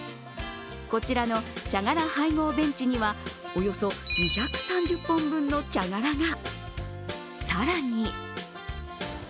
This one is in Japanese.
こちらの茶殻配合ベンチには、およそ２３０本分の茶殻が。